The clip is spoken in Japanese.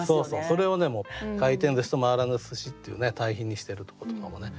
それを「回転寿司」と「回らぬ寿司」っていう対比にしてるとことかもね。